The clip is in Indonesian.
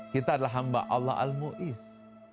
kita adalah hamba allah al mu'izz